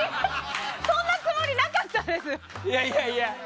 そんなつもりなかったです！